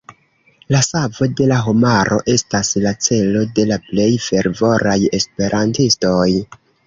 La savo de la homaro estas la celo de la plej fervoraj Esperantistoj.